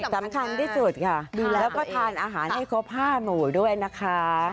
สำคัญที่สุดค่ะแล้วก็ทานอาหารให้ครบ๕หมู่ด้วยนะคะ